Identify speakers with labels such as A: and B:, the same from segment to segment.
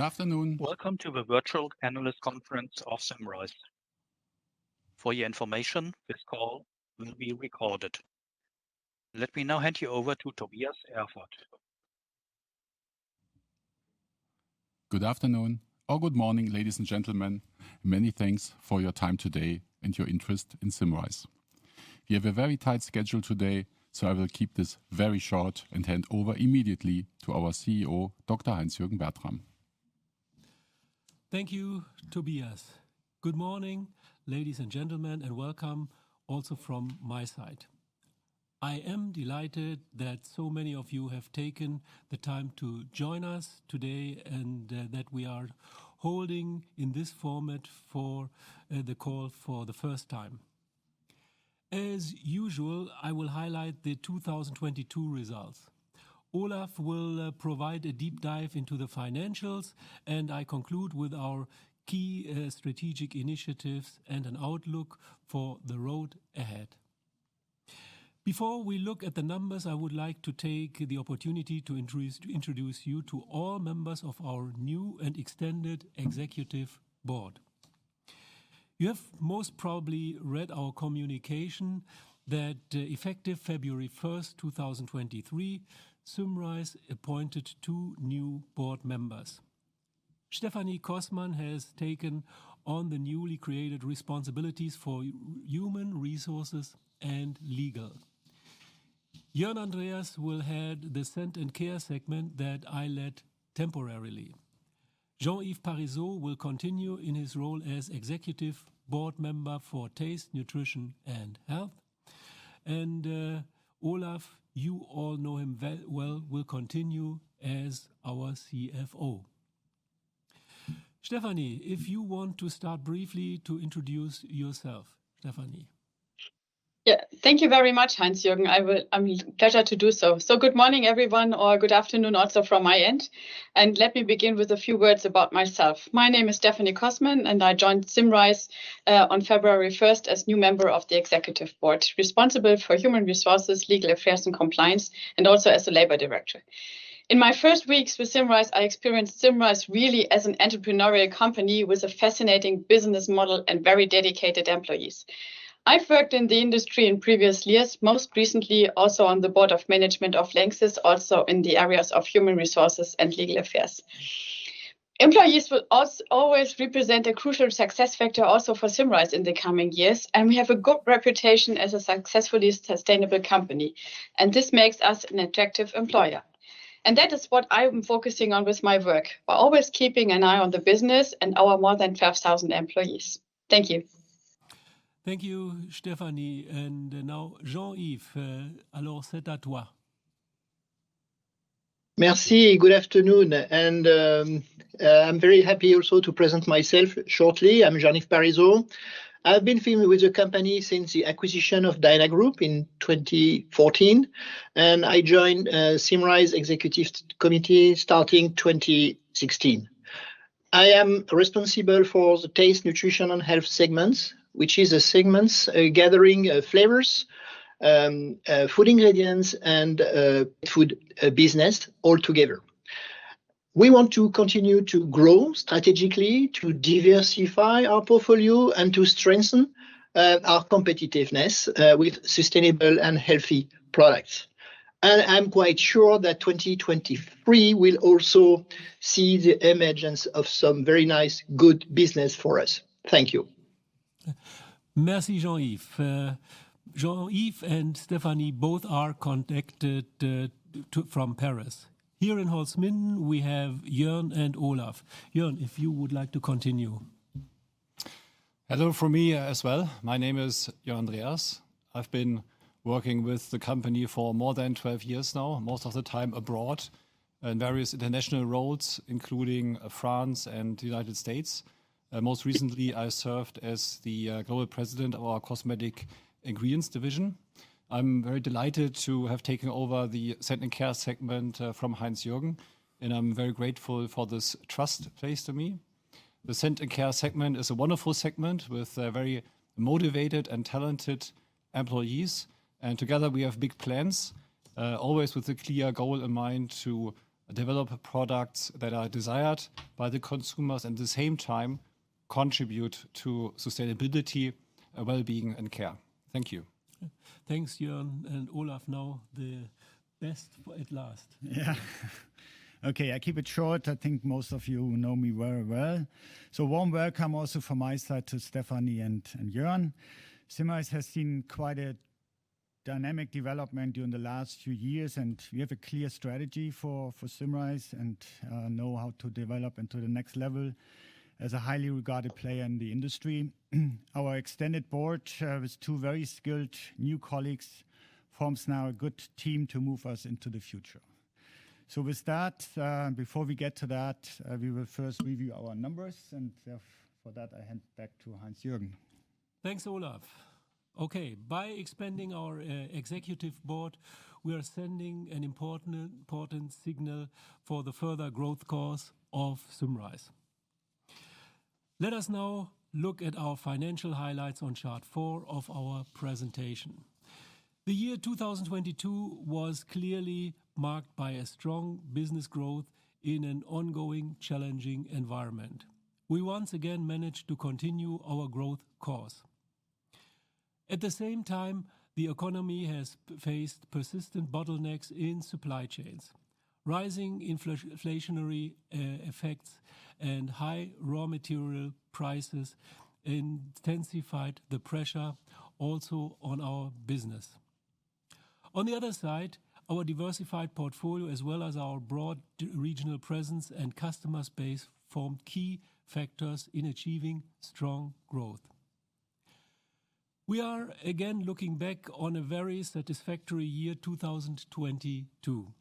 A: Afternoon. Welcome to the virtual analyst conference of Symrise. For your information, this call will be recorded. Let me now hand you over to Tobias Erfurth.
B: Good afternoon or good morning, ladies and gentlemen. Many thanks for your time today and your interest in Symrise. We have a very tight schedule today, so I will keep this very short and hand over immediately to our CEO, Dr. Heinz-Jürgen Bertram.
C: Thank you, Tobias. Good morning, ladies and gentlemen, and welcome also from my side. I am delighted that so many of you have taken the time to join us today and that we are holding in this format for the call for the first time. As usual, I will highlight the 2022 results. Olaf will provide a deep dive into the financials, and I conclude with our key strategic initiatives and an outlook for the road ahead. Before we look at the numbers, I would like to take the opportunity to introduce you to all members of our new and extended executive board. You have most probably read our communication that effective February first, 2023, Symrise appointed two new board members. Stephanie Cossmann has taken on the newly created responsibilities for Human Resources and Legal. Jörn Andreas will head the Scent & Care segment that I led temporarily. Jean-Yves Parisot will continue in his role as executive board member for Taste, Nutrition & Health. Olaf, you all know him well, will continue as our CFO. Stefanie, if you want to start briefly to introduce yourself. Stefanie.
D: Yeah. Thank you very much, Heinz-Jürgen. I mean, pleasure to do so. Good morning, everyone, or good afternoon also from my end. Let me begin with a few words about myself. My name is Stephanie Cossmann, and I joined Symrise on February first as new member of the Executive Board, responsible for Human Resources, Legal Affairs and Compliance, and also as the Labor Director. In my first weeks with Symrise, I experienced Symrise really as an entrepreneurial company with a fascinating business model and very dedicated employees. I've worked in the industry in previous years, most recently also on the board of management of LANXESS, also in the areas of human resources and legal affairs. Employees will always represent a crucial success factor also for Symrise in the coming years. We have a good reputation as a successfully sustainable company. This makes us an attractive employer. That is what I am focusing on with my work, by always keeping an eye on the business and our more than 12,000 employees. Thank you.
C: Thank you, Stephanie. Now Jean-Yves,
E: Merci. Good afternoon. I'm very happy also to present myself shortly. I'm Jean-Yves Parisot. I've been familiar with the company since the acquisition of Diana Group in 2014. I joined Symrise Executive Committee starting 2016. I am responsible for the Taste, Nutrition & Health segments, which is a segments gathering flavors, food ingredients and food business all together. We want to continue to grow strategically to diversify our portfolio and to strengthen our competitiveness with sustainable and healthy products. I'm quite sure that 2023 will also see the emergence of some very nice, good business for us. Thank you.
C: Merci, Jean-Yves. Jean-Yves and Stephanie both are connected from Paris. Here in Holzminden, we have Jörn and Olaf. Jörn, if you would like to continue.
F: Hello from me as well. My name is Jörn Andreas. I've been working with the company for more than 12 years now, most of the time abroad in various international roles, including France and the United States. Most recently, I served as the global president of our Cosmetic Ingredients division. I'm very delighted to have taken over the Scent & Care segment from Heinz-Jürgen, and I'm very grateful for this trust placed in me. The Scent & Care segment is a wonderful segment with very motivated and talented employees. Together, we have big plans, always with a clear goal in mind to develop products that are desired by the consumers, at the same time contribute to sustainability, wellbeing and care. Thank you.
C: Thanks, Jörn. And Olaf, now the best, at last.
G: Yeah. Okay, I keep it short. I think most of you know me very well. warm welcome also from my side to Stefanie and Jörn. Symrise has seen quite a dynamic development during the last few years, and we have a clear strategy for Symrise and know how to develop into the next level as a highly regarded player in the industry. Our extended board, with two very skilled new colleagues, forms now a good team to move us into the future. With that, before we get to that, we will first review our numbers. For that, I hand back to Heinz-Jürgen.
C: Thanks, Olaf. Okay. By expanding our executive board, we are sending an important signal for the further growth course of Symrise. Let us now look at our financial highlights on chart four of our presentation. The year 2022 was clearly marked by a strong business growth in an ongoing challenging environment. We once again managed to continue our growth course. At the same time, the economy has faced persistent bottlenecks in supply chains. Rising inflationary effects and high raw material prices intensified the pressure also on our business. On the other side, our diversified portfolio, as well as our broad regional presence and customer space, form key factors in achieving strong growth. We are again looking back on a very satisfactory year, 2022.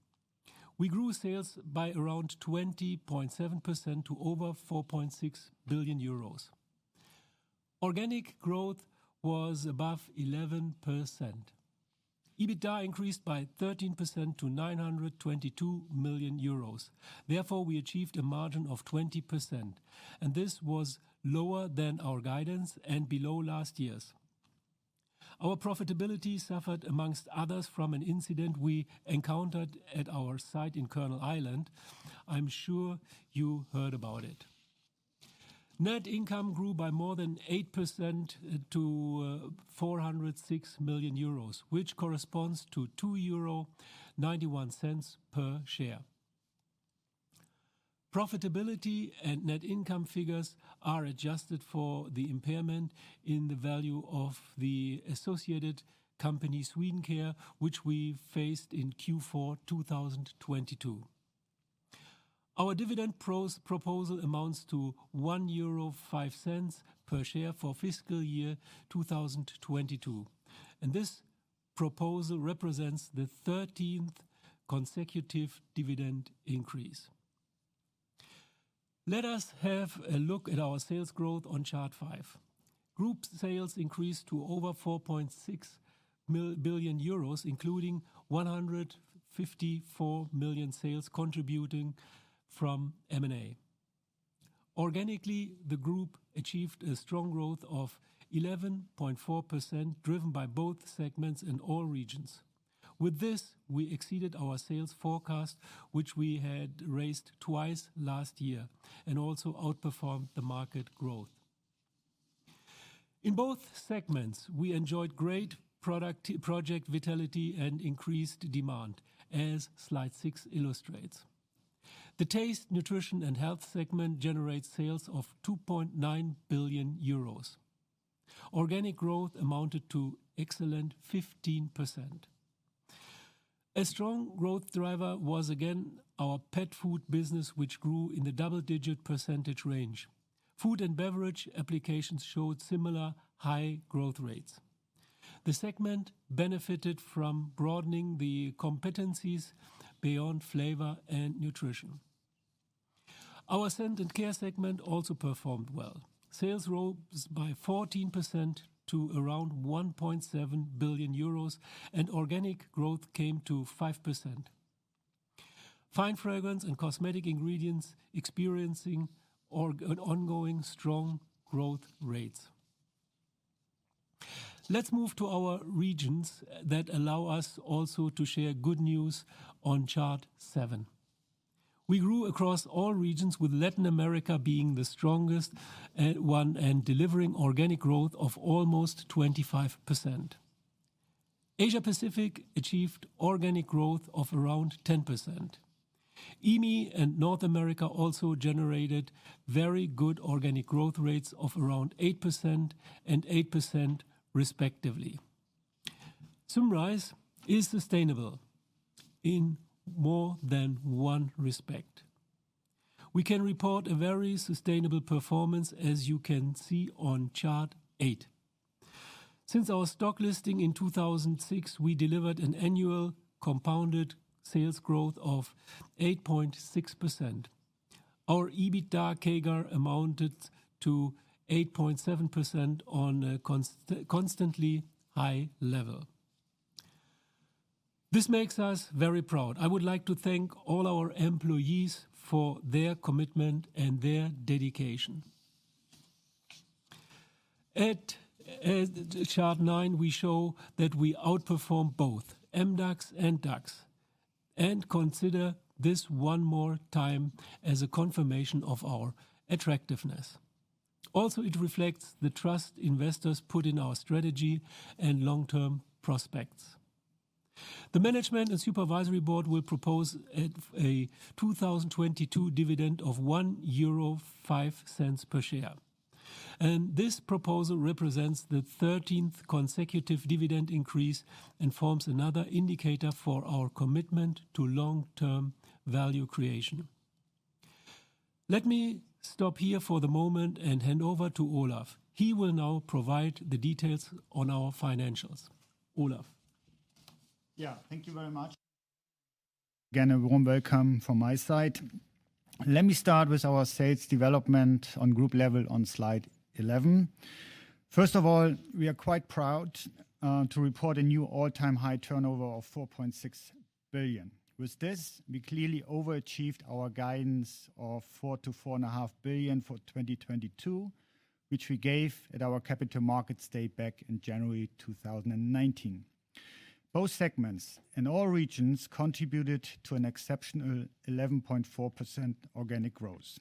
C: We grew sales by around 20.7% to over 4.6 billion euros. Organic growth was above 11%. EBITDA increased by 13% to 922 million euros. We achieved a margin of 20%. This was lower than our guidance and below last year's. Our profitability suffered, among others, from an incident we encountered at our site in Colonels Island. I'm sure you heard about it. Net income grew by more than 8% to 406 million euros, which corresponds to 2.91 euro per share. Profitability and net income figures are adjusted for the impairment in the value of the associated company, Swedencare, which we faced in Q4 2022. Our dividend proposal amounts to 1.05 euro per share for fiscal year 2022. This proposal represents the 13th consecutive dividend increase. Let us have a look at our sales growth on chart five. Group sales increased to over 4.6 billion euros, including 154 million sales contributing from M&A. Organically, the group achieved a strong growth of 11.4%, driven by both segments in all regions. With this, we exceeded our sales forecast, which we had raised twice last year, also outperformed the market growth. In both segments, we enjoyed great project vitality and increased demand, as slide six illustrates. The Taste, Nutrition & Health segment generates sales of 2.9 billion euros. Organic growth amounted to excellent 15%. A strong growth driver was, again, our pet food business, which grew in the double-digit percentage range. Food and beverage applications showed similar high growth rates. The segment benefited from broadening the competencies beyond flavor and nutrition. Our Scent & Care segment also performed well. Sales rose by 14% to around 1.7 billion euros, and organic growth came to 5%. Fine fragrance and Cosmetic Ingredients experiencing ongoing strong growth rates. Let's move to our regions that allow us also to share good news on chart seven. We grew across all regions, with Latin America being the strongest one, and delivering organic growth of almost 25%. Asia Pacific achieved organic growth of around 10%. EAME and North America also generated very good organic growth rates of around 8% and 8% respectively. Symrise is sustainable in more than one respect. We can report a very sustainable performance, as you can see on chart eight. Since our stock listing in 2006, we delivered an annual compounded sales growth of 8.6%. Our EBITDA CAGR amounted to 8.7% on a constantly high level. This makes us very proud. I would like to thank all our employees for their commitment and their dedication. At chart nine, we show that we outperform both MDAX and DAX, and consider this one more time as a confirmation of our attractiveness. It reflects the trust investors put in our strategy and long-term prospects. The management and supervisory board will propose at a 2022 dividend of 1.05 euro per share. This proposal represents the 13th consecutive dividend increase and forms another indicator for our commitment to long-term value creation. Let me stop here for the moment and hand over to Olaf. He will now provide the details on our financials. Olaf.
G: Yeah, thank you very much. Again, a warm welcome from my side. Let me start with our sales development on group level on slide 11. First of all, we are quite proud to report a new all-time high turnover of 4.6 billion. With this, we clearly overachieved our guidance of 4 billion-4.5 billion for 2022, which we gave at our capital markets date back in January 2019. Both segments in all regions contributed to an exceptional 11.4% organic growth.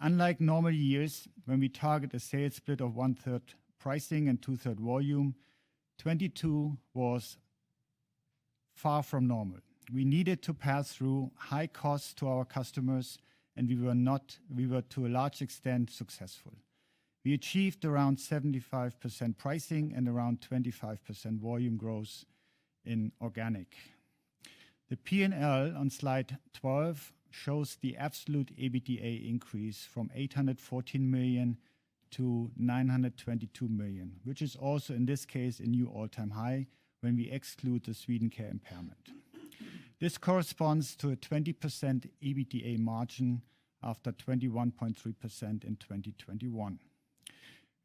G: Unlike normal years, when we target a sales split of 1/3 pricing and 2/3 volume, 2022 was far from normal. We needed to pass through high costs to our customers, we were, to a large extent, successful. We achieved around 75% pricing and around 25% volume growth in organic. The P&L on slide 12 shows the absolute EBITDA increase from 814 million to 922 million, which is also, in this case, a new all-time high when we exclude the Swedencare impairment. This corresponds to a 20% EBITDA margin after 21.3% in 2021.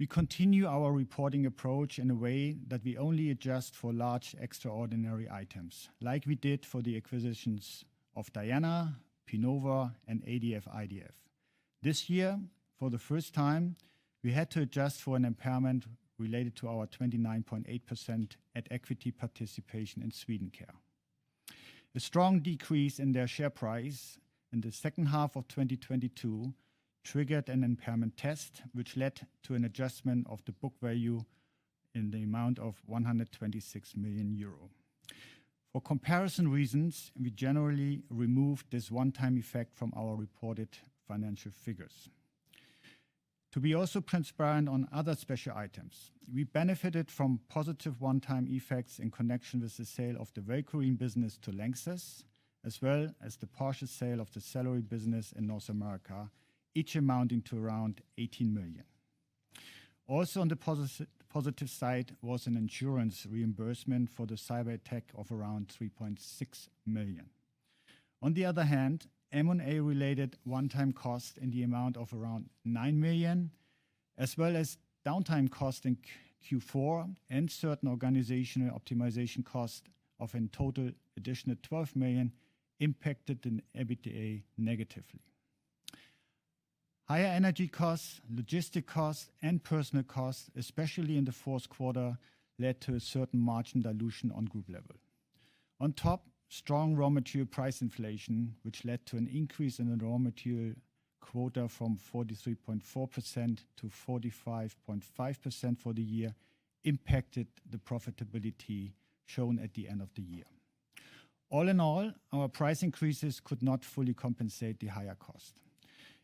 G: We continue our reporting approach in a way that we only adjust for large extraordinary items like we did for the acquisitions of Diana, Pinova, and ADF/IDF. This year, for the first time, we had to adjust for an impairment related to our 29.8% at equity participation in Swedencare. The strong decrease in their share price in the second half of 2022 triggered an impairment test, which led to an adjustment of the book value in the amount of 126 million euro. For comparison reasons, we generally removed this one-time effect from our reported financial figures. To be also transparent on other special items, we benefited from positive one-time effects in connection with the sale of the Velcorin business to LANXESS, as well as the partial sale of the color business in North America, each amounting to around 18 million. Also on the positive side was an insurance reimbursement for the cyberattack of around 3.6 million. On the other hand, M&A-related one-time cost in the amount of around 9 million, as well as downtime cost in Q4 and certain organizational optimization costs of in total additional 12 million impacted the EBITDA negatively. Higher energy costs, logistics costs, and personnel costs, especially in the fourth quarter, led to a certain margin dilution on group level. On top, strong raw material price inflation, which led to an increase in the raw material quota from 43.4% to 45.5% for the year impacted the profitability shown at the end of the year. All in all, our price increases could not fully compensate the higher cost.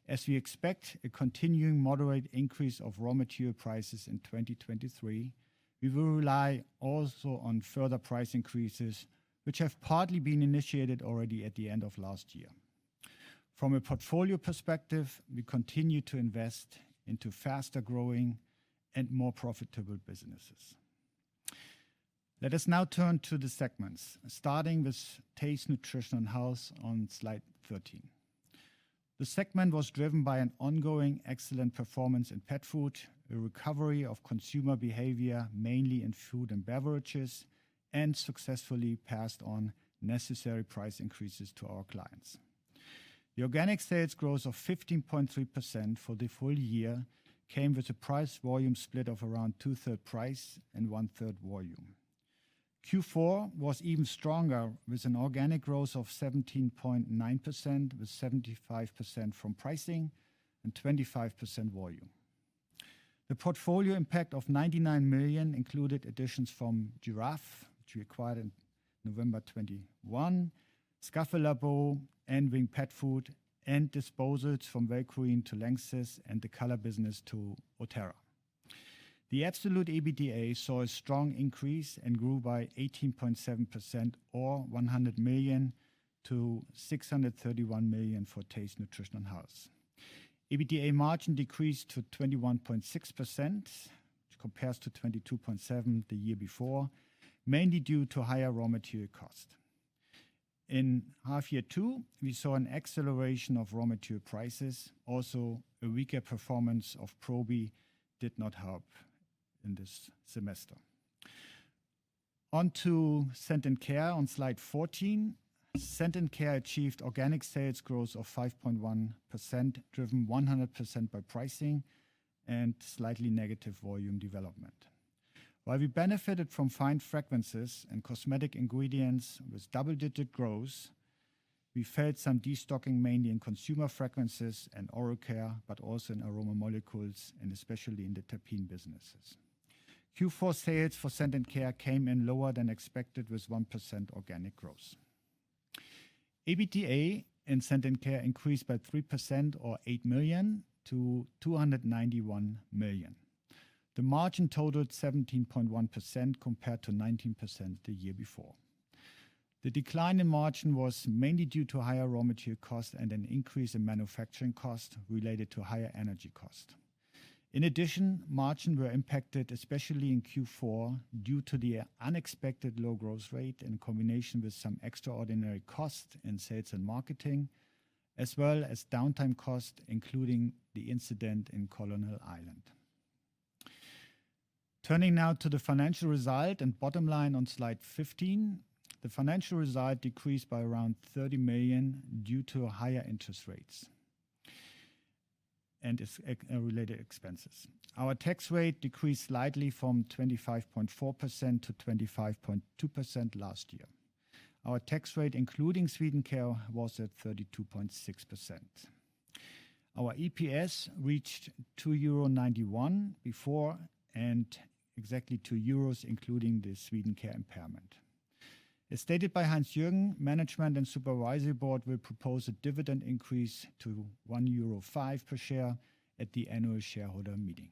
G: As we expect a continuing moderate increase of raw material prices in 2023, we will rely also on further price increases, which have partly been initiated already at the end of last year. From a portfolio perspective, we continue to invest into faster-growing and more profitable businesses. Let us now turn to the segments, starting with Taste, Nutrition and Health on slide 13. The segment was driven by an ongoing excellent performance in pet food, a recovery of consumer behavior, mainly in food and beverages, and successfully passed on necessary price increases to our clients. The organic sales growth of 15.3% for the full year came with a price volume split of around two-third price and one-third volume. Q4 was even stronger, with an organic growth of 17.9%, with 75% from pricing and 25% volume. The portfolio impact of 99 million included additions from Giraffe, which we acquired in November 2021, Schaffelaarbos, and Wing Pet Food, and disposals from Velcorin to LANXESS and the color business to Oterra. The absolute EBITDA saw a strong increase and grew by 18.7% or 100 million to 631 million for Taste, Nutrition & Health. EBITDA margin decreased to 21.6%, which compares to 22.7% the year before, mainly due to higher raw material cost. In half year two, we saw an acceleration of raw material prices. A weaker performance of Probi did not help in this semester. On to Scent & Care on slide 14. Scent & Care achieved organic sales growth of 5.1%, driven 100% by pricing and slightly negative volume development. While we benefited from fine fragrances and Cosmetic Ingredients with double-digit growth, we felt some destocking mainly in consumer fragrances and oral care, but also in aroma molecules and especially in the terpene businesses. Q4 sales for Scent & Care came in lower than expected, with 1% organic growth. EBITDA in Scent & Care increased by 3% or 8 million to 291 million. The margin totaled 17.1% compared to 19% the year before. The decline in margin was mainly due to higher raw material costs and an increase in manufacturing cost related to higher energy cost. Margin were impacted especially in Q4 due to the unexpected low growth rate in combination with some extraordinary costs in sales and marketing. As well as downtime cost, including the incident in Colonels Island. Turning now to the financial result and bottom line on slide 15. The financial result decreased by around 30 million due to higher interest rates and its related expenses. Our tax rate decreased slightly from 25.4% to 25.2% last year. Our tax rate, including Swedencare, was at 32.6%. Our EPS reached 2.91 euro before and exactly 2 euros, including the Swedencare impairment. As stated by Hans-Jürgen, management and supervisory board will propose a dividend increase to 1.05 euro per share at the annual shareholder meeting.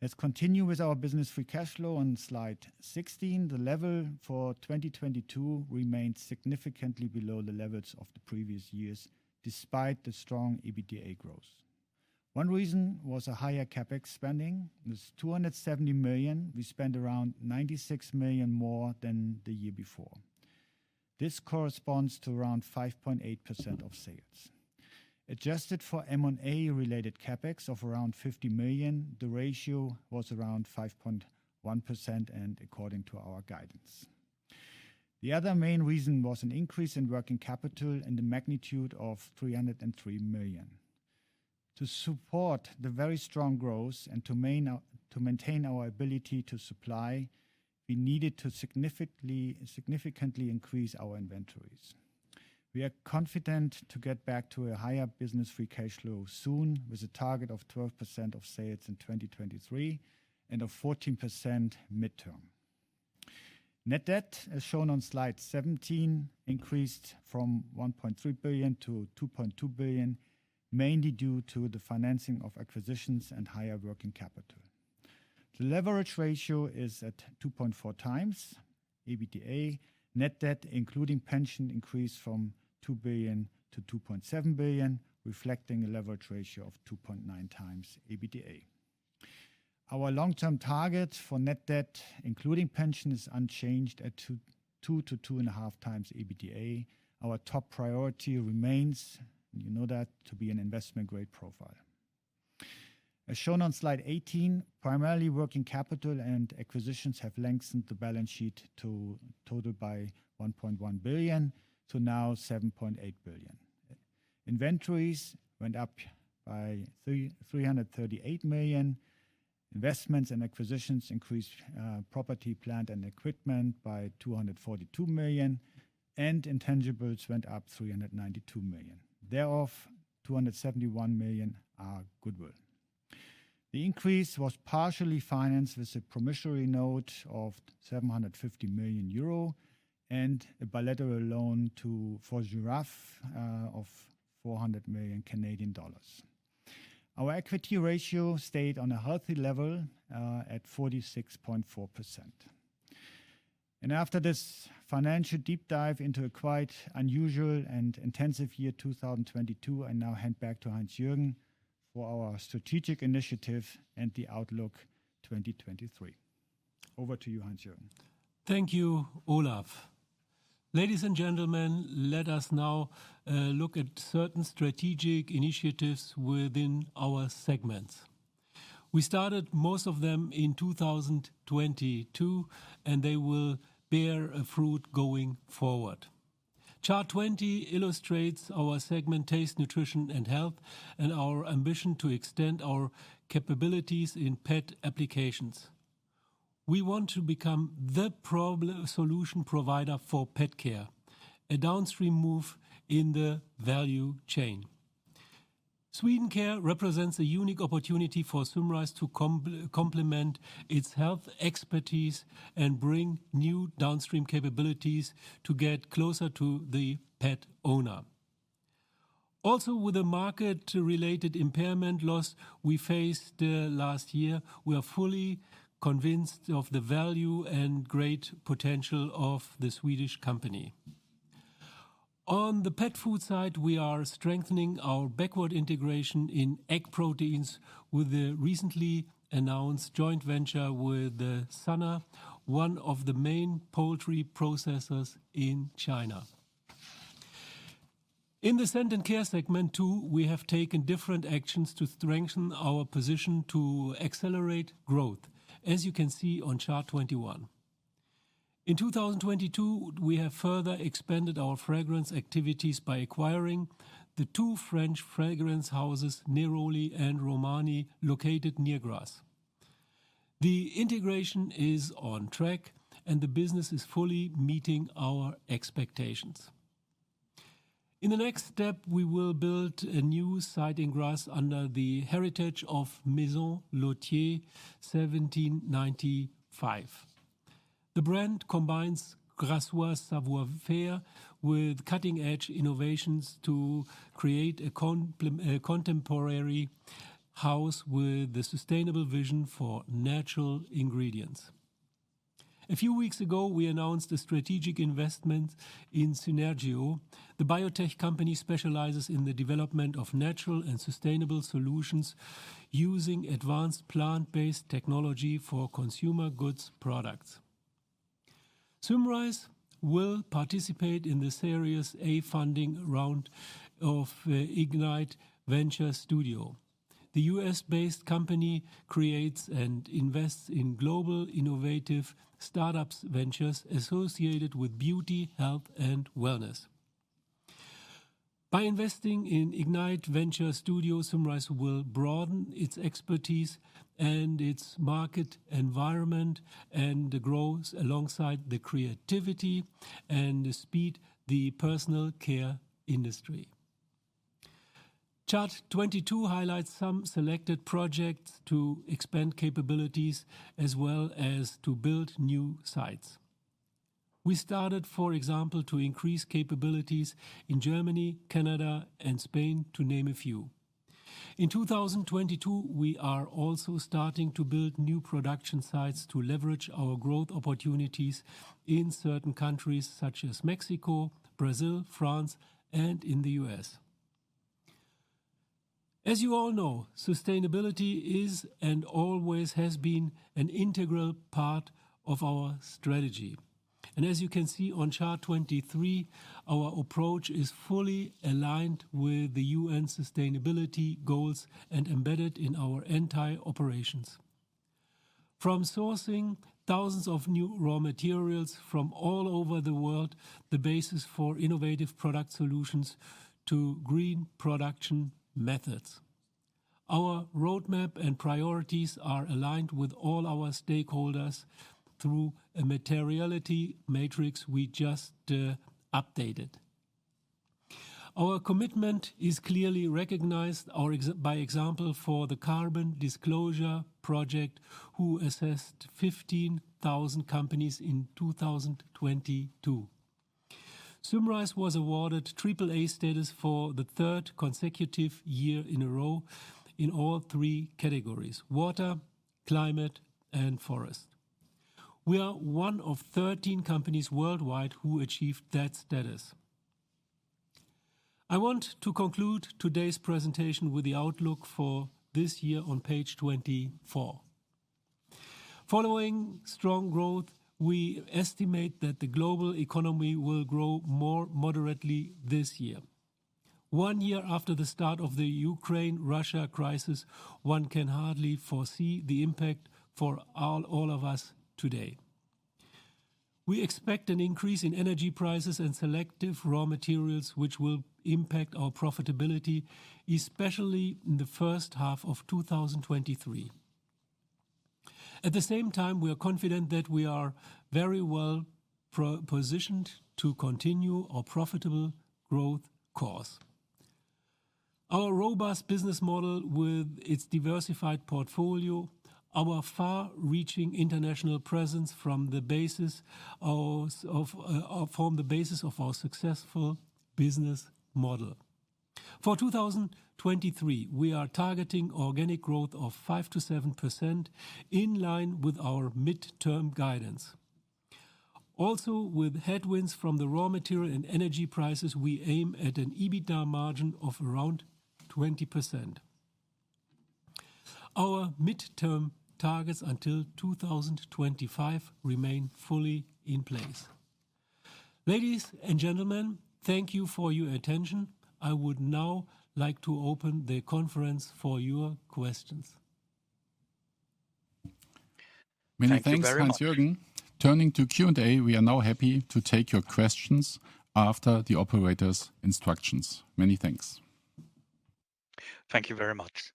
G: Let's continue with our business free cash flow on slide 16. The level for 2022 remains significantly below the levels of the previous years, despite the strong EBITDA growth. One reason was a higher CapEx spending. It was 270 million. We spent around 96 million more than the year before. This corresponds to around 5.8% of sales. Adjusted for M&A related CapEx of around 50 million, the ratio was around 5.1%, and according to our guidance. The other main reason was an increase in working capital in the magnitude of 303 million. To support the very strong growth and to maintain our ability to supply, we needed to significantly increase our inventories. We are confident to get back to a higher business free cash flow soon, with a target of 12% of sales in 2023 and a 14% midterm. Net debt, as shown on slide 17, increased from 1.3 billion to 2.2 billion, mainly due to the financing of acquisitions and higher working capital. The leverage ratio is at 2.4x EBITDA. Net debt, including pension, increased from 2 billion to 2.7 billion, reflecting a leverage ratio of 2.9x EBITDA. Our long-term target for net debt, including pension, is unchanged at 2-2.5x EBITDA. Our top priority remains, you know that, to be an investment-grade profile. As shown on slide 18, primarily working capital and acquisitions have lengthened the balance sheet to total by 1.1 billion to now 7.8 billion. Inventories went up by 338 million. Investments and acquisitions increased property, plant, and equipment by 242 million. Intangibles went up 392 million. Thereof, 271 million are goodwill. The increase was partially financed with a promissory note of 750 million euro and a bilateral loan to for Giraffe of 400 million Canadian dollars. Our equity ratio stayed on a healthy level at 46.4%. After this financial deep dive into a quite unusual and intensive year, 2022, I now hand back to Hans-Jürgen for our strategic initiative and the outlook 2023. Over to you, Hans-Jürgen.
C: Thank you, Olaf. Ladies and gentlemen, let us now look at certain strategic initiatives within our segments. We started most of them in 2022, and they will bear a fruit going forward. Chart 20 illustrates our segment Taste, Nutrition & Health and our ambition to extend our capabilities in pet applications. We want to become the solution provider for pet care, a downstream move in the value chain. Swedencare represents a unique opportunity for Symrise to complement its health expertise and bring new downstream capabilities to get closer to the pet owner. With the market-related impairment loss we faced last year, we are fully convinced of the value and great potential of the Swedish company. On the pet food side, we are strengthening our backward integration in egg proteins with the recently announced joint venture with Sunner, one of the main poultry processors in China. In the Scent & Care segment too, we have taken different actions to strengthen our position to accelerate growth, as you can see on chart 21. In 2022, we have further expanded our fragrance activities by acquiring the two French fragrance houses, Neroli and Romani, located near Grasse. The integration is on track, and the business is fully meeting our expectations. In the next step, we will build a new site in Grasse under the heritage of Maison Lautier 1795. The brand combines Grasse savoir faire with cutting-edge innovations to create a contemporary house with a sustainable vision for natural ingredients. A few weeks ago, we announced a strategic investment in Synergio. The biotech company specializes in the development of natural and sustainable solutions using advanced plant-based technology for consumer goods products. Symrise will participate in the Series A funding round of Ignite Venture Studio. The U.S.-based company creates and invests in global innovative startups ventures associated with beauty, health and wellness. By investing in Ignite Venture Studio, Symrise will broaden its expertise and its market environment and the growth alongside the creativity and the speed, the personal care industry. Chart 22 highlights some selected projects to expand capabilities as well as to build new sites. We started, for example, to increase capabilities in Germany, Canada and Spain, to name a few. In 2022, we are also starting to build new production sites to leverage our growth opportunities in certain countries such as Mexico, Brazil, France and in the U.S. As you all know, sustainability is and always has been an integral part of our strategy. As you can see on chart 23, our approach is fully aligned with the UN sustainability goals and embedded in our entire operations. From sourcing thousands of new raw materials from all over the world, the basis for innovative product solutions to green production methods. Our roadmap and priorities are aligned with all our stakeholders through a materiality matrix we just updated. Our commitment is clearly recognized, by example, for the Carbon Disclosure Project, who assessed 15,000 companies in 2022. Symrise was awarded Triple A status for the third consecutive year in a row in all three categories: water, climate and forest. We are one of 13 companies worldwide who achieved that status. I want to conclude today's presentation with the outlook for this year on page 24. Following strong growth, we estimate that the global economy will grow more moderately this year. One year after the start of the Ukraine-Russia crisis, one can hardly foresee the impact for all of us today. We expect an increase in energy prices and selective raw materials which will impact our profitability, especially in the first half of 2023. At the same time, we are confident that we are very well pro-positioned to continue our profitable growth course. Our robust business model with its diversified portfolio, our far-reaching international presence from the basis of our successful business model. For 2023, we are targeting organic growth of 5%-7% in line with our midterm guidance. With headwinds from the raw material and energy prices, we aim at an EBITDA margin of around 20%. Our midterm targets until 2025 remain fully in place. Ladies and gentlemen, thank you for your attention. I would now like to open the conference for your questions.
B: Many thanks, Heinz-Jürgen Bertram. Turning to Q&A, we are now happy to take your questions after the operator's instructions. Many thanks.
A: Thank you very much.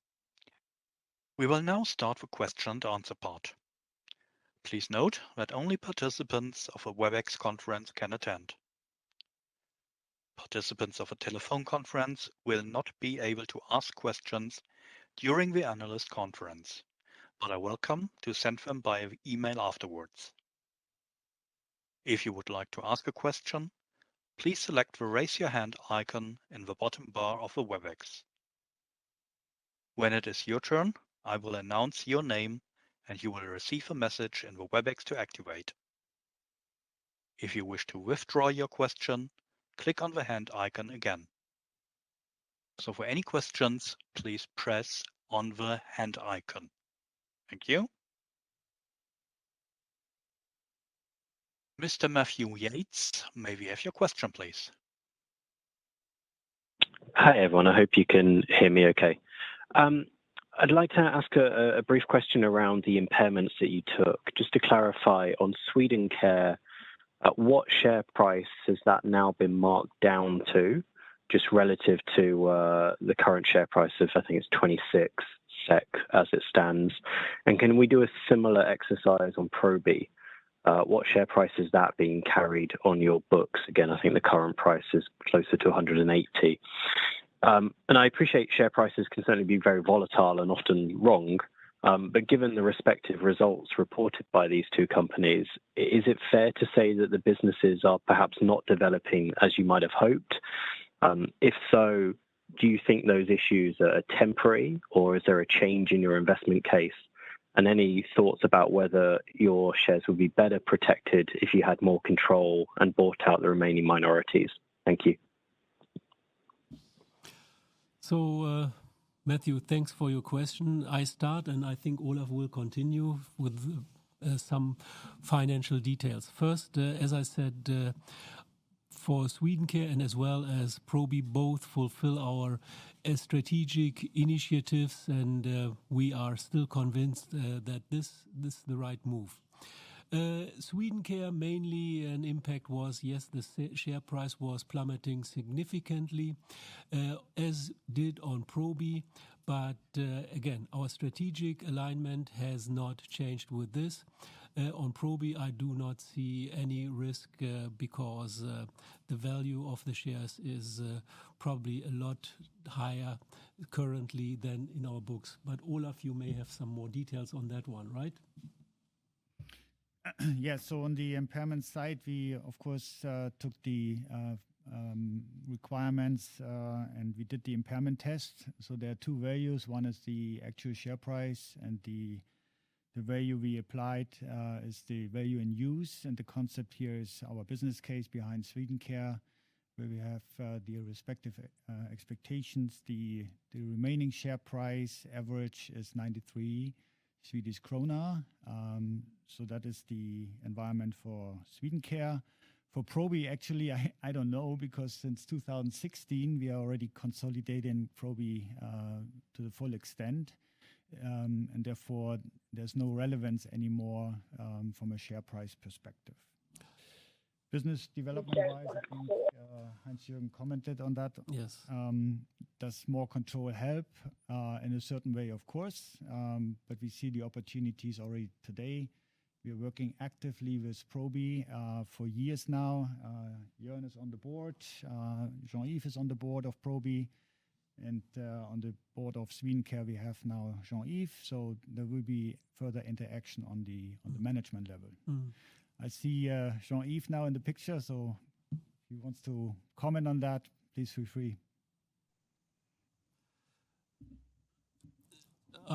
A: We will now start the question and answer part. Please note that only participants of a Webex conference can attend. Participants of a telephone conference will not be able to ask questions during the analyst conference, but are welcome to send them via email afterwards. If you would like to ask a question, please select the Raise Your Hand icon in the bottom bar of the Webex. When it is your turn, I will announce your name, and you will receive a message in the Webex to activate. If you wish to withdraw your question, click on the hand icon again. For any questions, please press on the hand icon. Thank you. Mr. Matthew Yates, may we have your question, please?
H: Hi, everyone. I hope you can hear me okay. I'd like to ask a brief question around the impairments that you took. Just to clarify on Swedencare, at what share price has that now been marked down to, just relative to the current share price of, I think it's 26 SEK as it stands? Can we do a similar exercise on Probi? What share price is that being carried on your books? Again, I think the current price is closer to 180. I appreciate share prices can certainly be very volatile and often wrong, but given the respective results reported by these two companies, is it fair to say that the businesses are perhaps not developing as you might have hoped? If so, do you think those issues are temporary, or is there a change in your investment case? Any thoughts about whether your shares would be better protected if you had more control and bought out the remaining minorities? Thank you.
C: Matthew, thanks for your question. I start, and I think Olaf will continue with some financial details. First, as I said, for Swedencare and as well as Probi both fulfill our strategic initiatives, and we are still convinced that this is the right move. Swedencare, mainly an impact was, yes, the share price was plummeting significantly, as did on Probi, but again, our strategic alignment has not changed with this. On Probi, I do not see any risk, because the value of the shares is probably a lot higher currently than in our books. Olaf, you may have some more details on that one, right?
G: On the impairment side, we of course took the requirements and we did the impairment test. There are two values. One is the actual share price, and the value we applied is the value in use. The concept here is our business case behind Swedencare, where we have the respective expectations. The remaining share price average is 93 Swedish krona. That is the environment for Swedencare. For Probi, actually, I don't know, because since 2016, we are already consolidating Probi to the full extent. Therefore, there's no relevance anymore from a share price perspective. Business development-wise, Hans Joachim commented on that.
C: Yes.
G: Does more control help? In a certain way, of course. We see the opportunities already today. We are working actively with Probi for years now. Joan is on the board. Jean-Yves is on the board of Probi. On the board of Swedencare, we have now Jean-Yves. There will be further interaction on the, on the management level.
C: Mm-hmm.
G: I see, Jean-Yves now in the picture, so if he wants to comment on that, please feel free.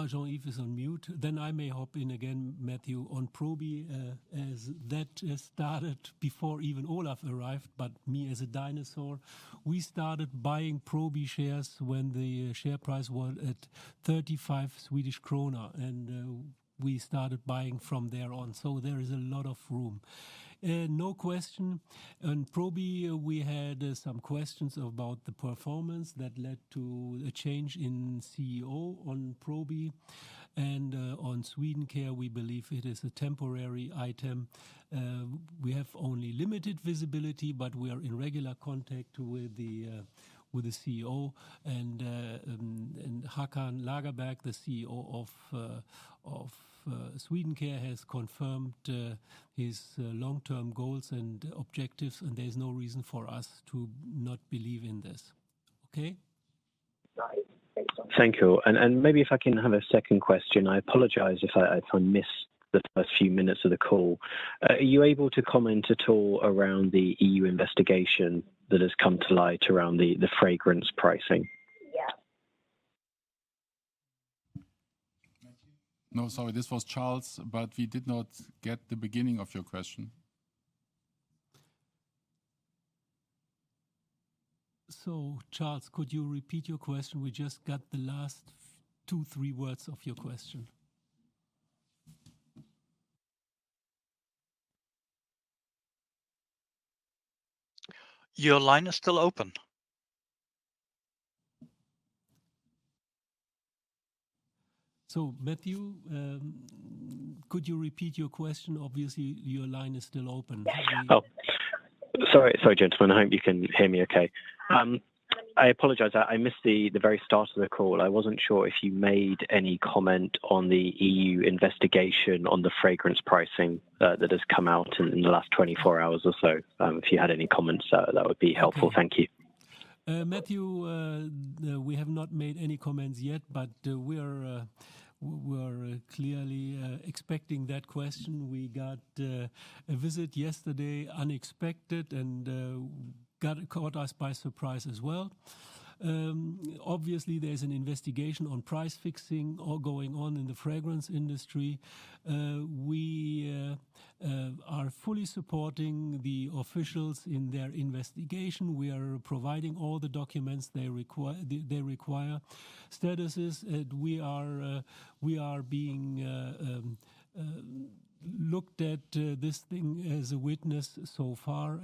C: Jean-Yves is on mute. I may hop in again, Matthew. On Probi, as that started before even Olaf arrived, but me as a dinosaur, we started buying Probi shares when the share price was at 35 Swedish krona, we started buying from there on. There is a lot of room. No question. On Probi, we had some questions about the performance that led to a change in CEO on Probi. On Swedencare, we believe it is a temporary item. We have only limited visibility, but we are in regular contact with the with the CEO and Håkan Lagerberg, the CEO of Swedencare, has confirmed his long-term goals and objectives, and there's no reason for us to not believe in this. Okay?
H: Got it. Thanks. Thank you. Maybe if I can have a second question. I apologize if I missed the first few minutes of the call. Are you able to comment at all around the EU investigation that has come to light around the fragrance pricing?
B: Yeah. Matthew? No, sorry, this was Charles. We did not get the beginning of your question.
C: Charles, could you repeat your question? We just got the last two, three words of your question.
A: Your line is still open.
C: Matthew, could you repeat your question? Obviously, your line is still open.
H: Oh, sorry. Sorry, gentlemen. I hope you can hear me okay. I apologize. I missed the very start of the call. I wasn't sure if you made any comment on the EU investigation on the fragrance pricing, that has come out in the last 24 hours or so. If you had any comments, that would be helpful. Thank you.
C: Matthew, we have not made any comments yet, we are clearly expecting that question. We got a visit yesterday unexpected caught us by surprise as well. Obviously there's an investigation on price fixing or going on in the fragrance industry. We are fully supporting the officials in their investigation. We are providing all the documents they require. Status is we are being looked at this thing as a witness so far.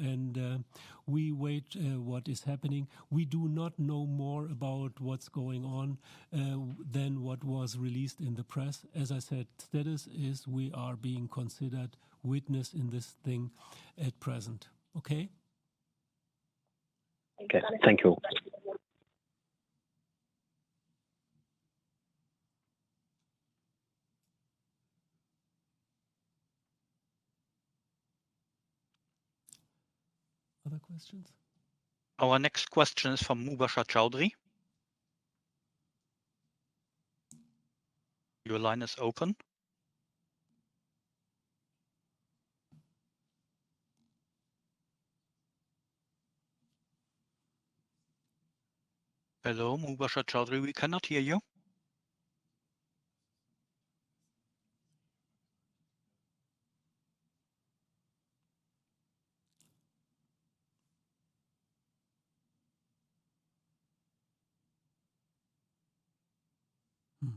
C: We wait what is happening. We do not know more about what's going on than what was released in the press. As I said, status is we are being considered witness in this thing at present. Okay?
H: Okay. Thank you.
C: Other questions?
A: Our next question is from Mombasa Choudhary. Your line is open. Hello, Mombasa Choudhary, we cannot hear you.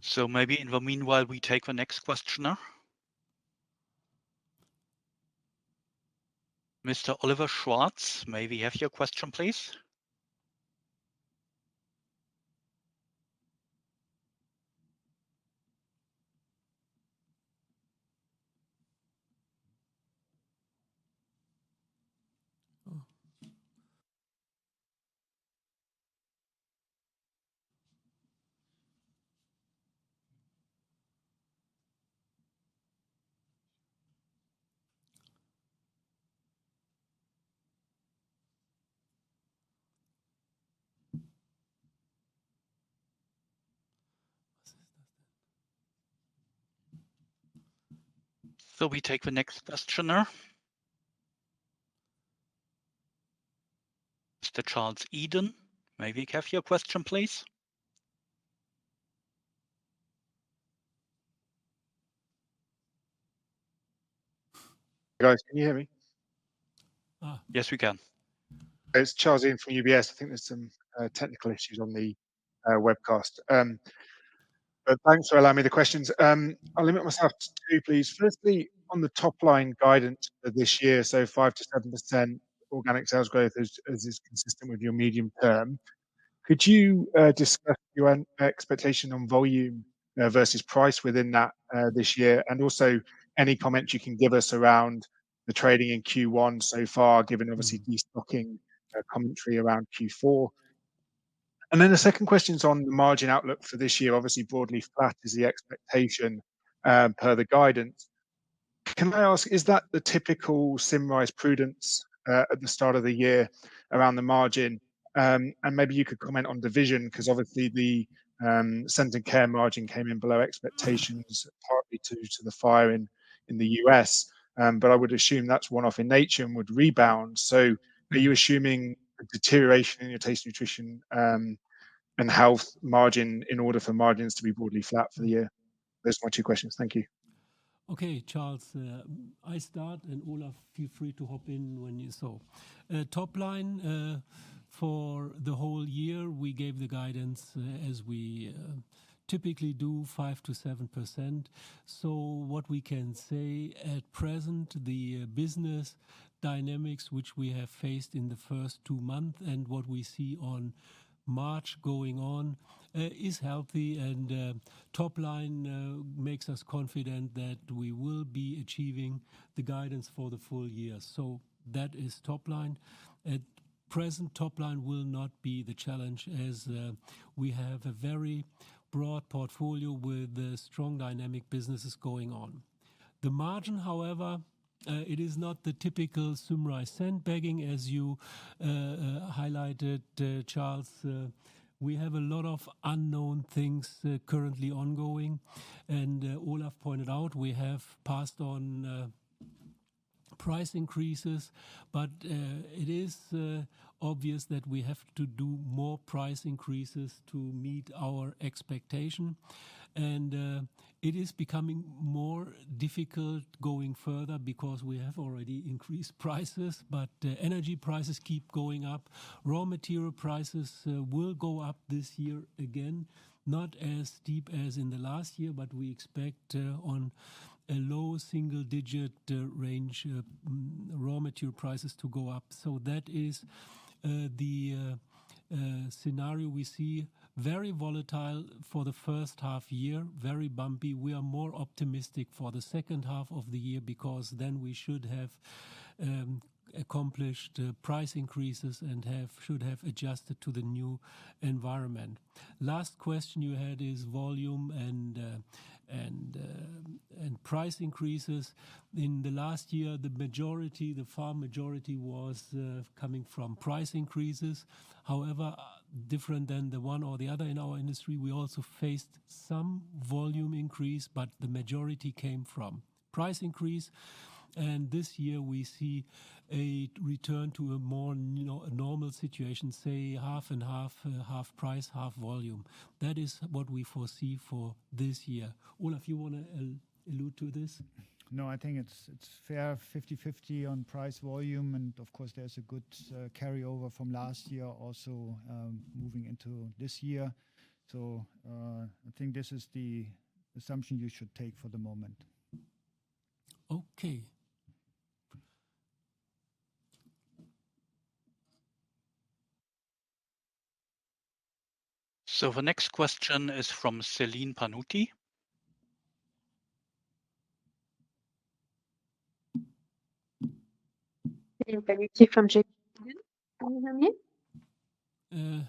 A: So maybe in the meanwhile, we take the next questioner. Mr. Oliver Schwarz, may we have your question please? Oh. We take the next questioner. Mr. Charles Eden, may we have your question please?
I: Guys, can you hear me?
B: Yes, we can.
I: It's Charles Eden from UBS. I think there's some technical issues on the webcast. But thanks for allowing me the questions. I'll limit myself to two please. Firstly, on the top line guidance for this year, so 5%-7% organic sales growth as is consistent with your medium term. Could you discuss your expectation on volume versus price within that this year? Also any comments you can give us around the trading in Q1 so far, given obviously the stocking commentary around Q4. Then the second question's on the margin outlook for this year. Obviously, broadly flat is the expectation, per the guidance. Can I ask, is that the typical Symrise prudence at the start of the year around the margin? Maybe you could comment on division because obviously the Scent & Care margin came in below expectations partly due to the fire in the U.S. I would assume that's one-off in nature and would rebound. Are you assuming a deterioration in your Taste, Nutrition & Health margin in order for margins to be broadly flat for the year? Those are my two questions. Thank you.
C: Okay, Charles. I start and Olaf feel free to hop in when you so. Top line for the whole year, we gave the guidance as we typically do, 5%-7%. What we can say at present, the business dynamics which we have faced in the first two months and what we see on March going on, is healthy and top line makes us confident that we will be achieving the guidance for the full year. That is top line. At present, top line will not be the challenge as we have a very broad portfolio with strong dynamic businesses going on. The margin, however, it is not the typical Symrise sandbagging as you highlighted, Charles. We have a lot of unknown things currently ongoing and Olaf pointed out we have passed on price increases. It is obvious that we have to do more price increases to meet our expectation. It is becoming more difficult going further because we have already increased prices, but energy prices keep going up. Raw material prices will go up this year again, not as steep as in the last year, but we expect on a low single digit range raw material prices to go up. That is the scenario we see. Very volatile for the first half year, very bumpy. We are more optimistic for the second half of the year because then we should have accomplished price increases and should have adjusted to the new environment. Last question you had is volume and price increases. In the last year, the majority, the far majority was coming from price increases. However, different than the one or the other in our industry, we also faced some volume increase, but the majority came from price increase. This year we see a return to a more normal situation, say half and half price, half volume. That is what we foresee for this year. Olaf, you wanna allude to this?
G: I think it's fair 50/50 on price volume and of course there's a good carry over from last year also, moving into this year. I think this is the assumption you should take for the moment.
C: Okay.
A: The next question is from Céline Pannuti.
J: Celine Pannuti from J.P. Morgan. Can you hear me?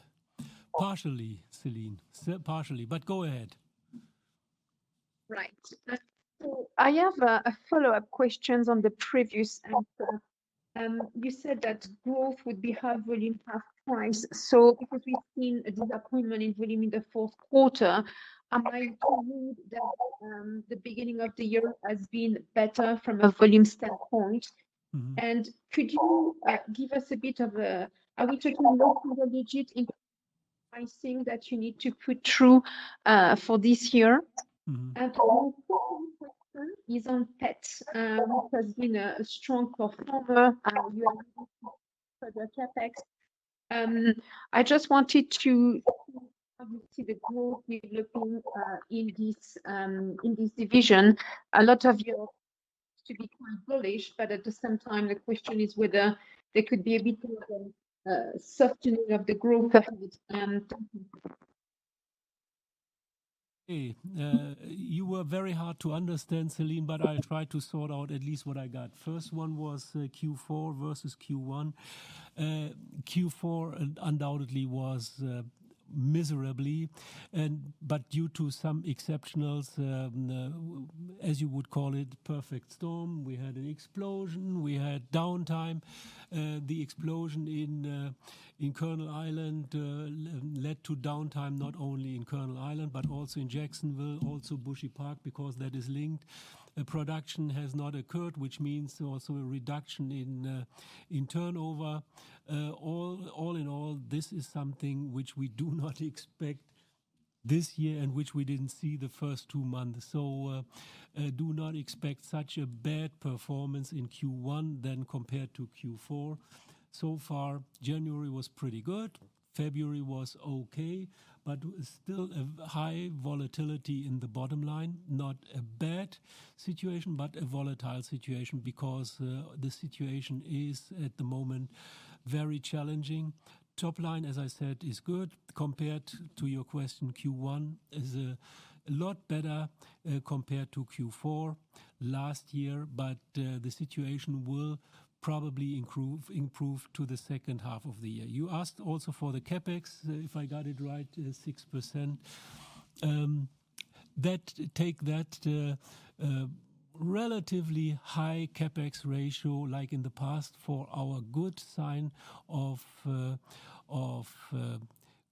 C: partially, Celine. partially, but go ahead.
J: I have a follow-up questions on the previous answer. You said that growth would be half volume, half price. Because we've seen a disappointment in volume in the fourth quarter, am I to hear that the beginning of the year has been better from a volume standpoint?
C: Mm-hmm.
J: Are we talking low single digit? I think that you need to put true for this year.
C: Mm-hmm.
J: The second question is on Pet, which has been a strong performer. You are looking for the CapEx. I just wanted to obviously the group we're looking in this division. A lot of you to become bullish, but at the same time, the question is whether there could be a bit of a softening of the growth.
C: Hey, you were very hard to understand, Céline, but I tried to sort out at least what I got. First one was Q4 versus Q1. Q4 undoubtedly was miserably and due to some exceptionals, as you would call it, perfect storm. We had an explosion, we had downtime. The explosion in Colonels Island led to downtime, not only in Colonels Island, but also in Jacksonville, also Bushy Park, because that is linked. Production has not occurred, which means also a reduction in turnover. All in all, this is something which we do not expect this year and which we didn't see the first two months. Do not expect such a bad performance in Q1 than compared to Q4. January was pretty good, February was okay, but still a high volatility in the bottom line. Not a bad situation, but a volatile situation because the situation is, at the moment, very challenging. Top line, as I said, is good compared to your question. Q1 is a lot better compared to Q4 last year, but the situation will probably improve to the second half of the year. You asked also for the CapEx, if I got it right, 6%. Take that relatively high CapEx ratio, like in the past, for our good sign of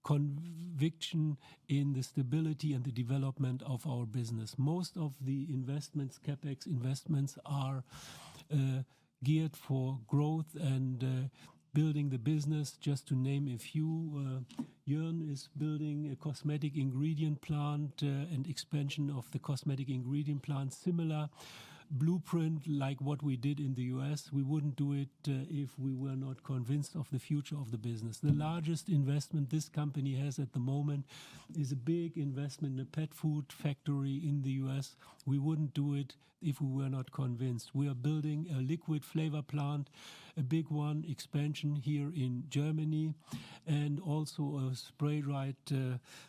C: conviction in the stability and the development of our business. Most of the investments, CapEx investments are geared for growth and building the business. Just to name a few, Jörn is building a cosmetic ingredient plant, and expansion of the cosmetic ingredient plant. Similar blueprint like what we did in the U.S. We wouldn't do it if we were not convinced of the future of the business. The largest investment this company has at the moment is a big investment in a pet food factory in the U.S. We wouldn't do it if we were not convinced. We are building a liquid flavor plant, a big one, expansion here in Germany, and also a spray dry,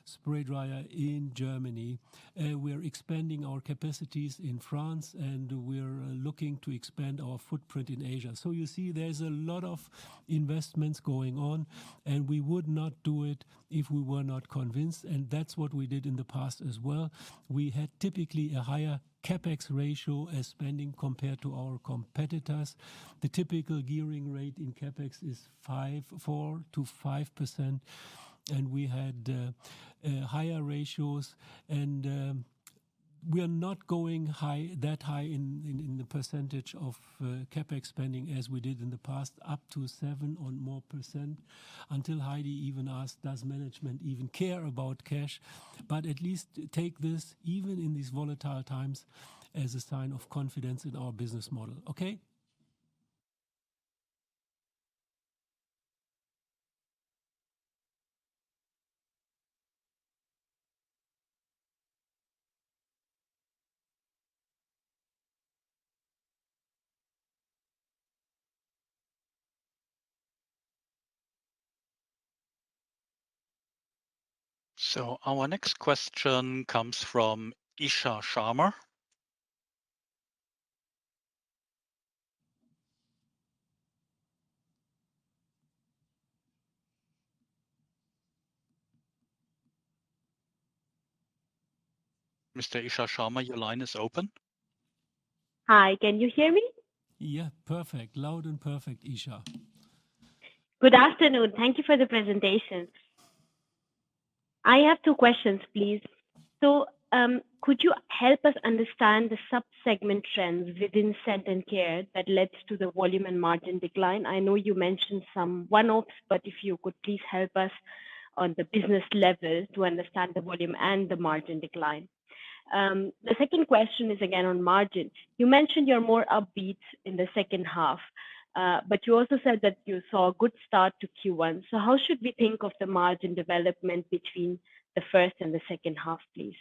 C: spray dryer in Germany. We're expanding our capacities in France, and we're looking to expand our footprint in Asia. You see, there's a lot of investments going on, and we would not do it if we were not convinced, and that's what we did in the past as well. We had typically a higher CapEx ratio as spending compared to our competitors. The typical gearing rate in CapEx is 5, 4%-5%, and we had higher ratios and we are not going high, that high in the percentage of CapEx spending as we did in the past, up to 7% or more, until Heidi even asked, "Does management even care about cash?" At least take this, even in these volatile times, as a sign of confidence in our business model. Okay?
A: Our next question comes from Isha Sharma. Mr. Isha Sharma, your line is open.
K: Hi, can you hear me?
C: Yeah, perfect. Loud and perfect, Isha.
K: Good afternoon. Thank you for the presentation. I have two questions, please. Could you help us understand the sub-segment trends within Scent & Care that led to the volume and margin decline? I know you mentioned some one-offs, but if you could please help us on the business level to understand the volume and the margin decline. The second question is again on margin. You mentioned you're more upbeat in the second half, but you also said that you saw a good start to Q1. How should we think of the margin development between the first and the second half, please?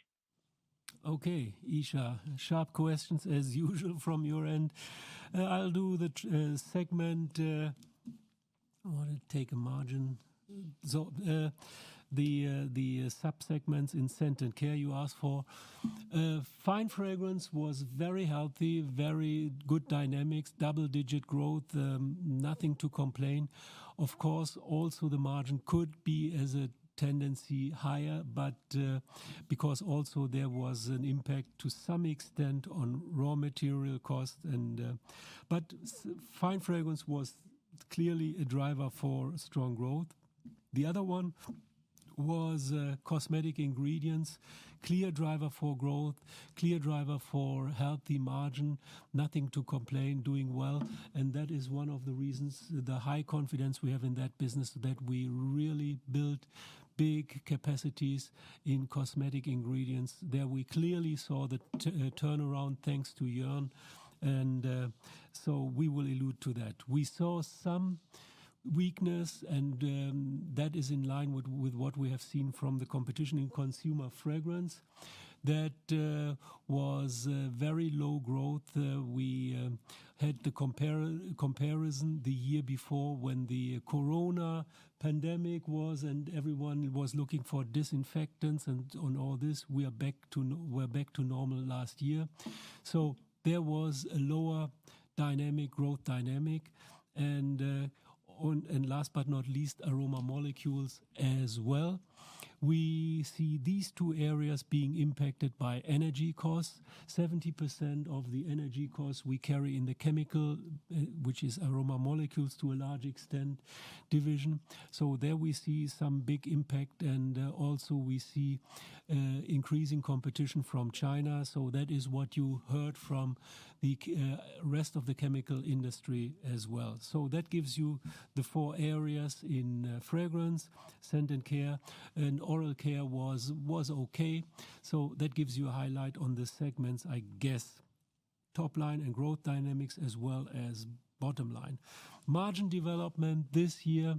C: Okay. Isha, sharp questions as usual from your end. I'll do the segment. I wanna take a margin. The sub-segments in Scent & Care you asked for. Fine fragrance was very healthy, very good dynamics, double-digit growth, nothing to complain. Of course, also the margin could be as a tendency higher, because also there was an impact to some extent on raw material costs. Fine fragrance was clearly a driver for strong growth. The other one was Cosmetic Ingredients. Clear driver for growth, clear driver for healthy margin. Nothing to complain, doing well. That is one of the reasons, the high confidence we have in that business, that we really built big capacities in Cosmetic Ingredients. There we clearly saw the turnaround, thanks to Jörn, we will allude to that. We saw some weakness and that is in line with what we have seen from the competition in consumer fragrance that was very low growth. We had to compare, comparison the year before when the COVID pandemic was and everyone was looking for disinfectants and on all this. We're back to normal last year. There was a lower dynamic, growth dynamic. Last but not least, aroma molecules as well. We see these two areas being impacted by energy costs. 70% of the energy costs we carry in the chemical, which is aroma molecules to a large extent, division. There we see some big impact. Also we see increasing competition from China. That is what you heard from the rest of the chemical industry as well. That gives you the four areas in fragrance, Scent & Care, and oral care was okay. That gives you a highlight on the segments, I guess, top line and growth dynamics as well as bottom line. Margin development this year,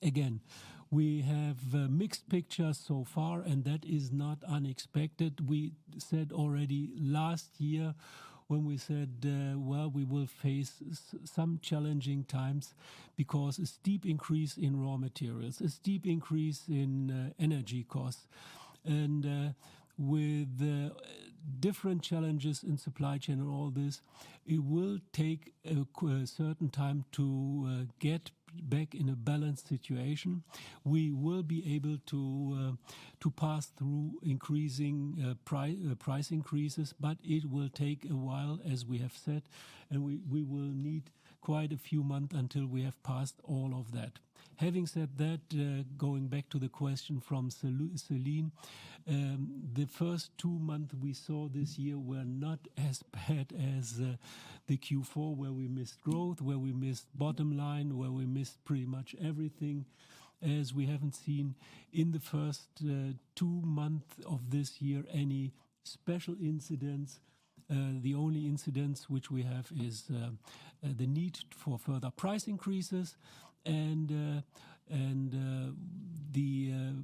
C: again, we have a mixed picture so far, and that is not unexpected. We said already last year when we said, well, we will face some challenging times because a steep increase in raw materials, a steep increase in energy costs, and with the different challenges in supply chain and all this, it will take a certain time to get back in a balanced situation. We will be able to to pass through increasing price increases, but it will take a while, as we have said, and we will need quite a few month until we have passed all of that. Having said that, going back to the question from Celine, the first two month we saw this year were not as bad as the Q4, where we missed growth, where we missed bottom line, where we missed pretty much everything. We haven't seen in the first two month of this year any special incidents. The only incidents which we have is the need for further price increases and the